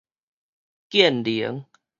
建寧